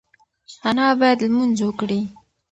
انا باید لمونځ وکړي.